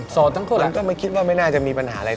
ทั้งคนแล้วก็ไม่คิดว่าไม่น่าจะมีปัญหาอะไร